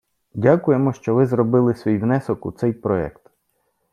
Дякуємо, що ви зробили свій внесок у цей проект.